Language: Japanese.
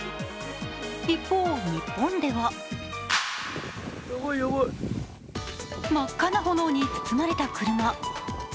一方、日本では真っ赤な炎に包まれた車。